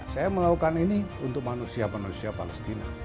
saya melakukan ini untuk manusia manusia palestina